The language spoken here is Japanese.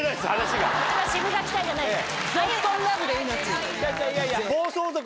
シブがき隊じゃないです。